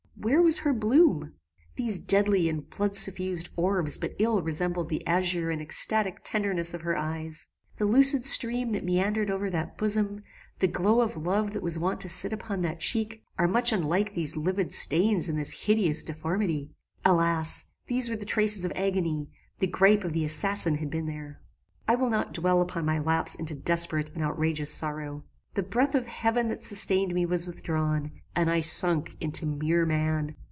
"Where was her bloom! These deadly and blood suffused orbs but ill resemble the azure and exstatic tenderness of her eyes. The lucid stream that meandered over that bosom, the glow of love that was wont to sit upon that cheek, are much unlike these livid stains and this hideous deformity. Alas! these were the traces of agony; the gripe of the assassin had been here! "I will not dwell upon my lapse into desperate and outrageous sorrow. The breath of heaven that sustained me was withdrawn and I sunk into MERE MAN.